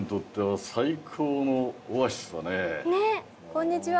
こんにちは。